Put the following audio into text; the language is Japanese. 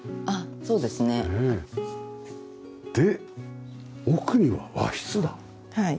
あっそうですね。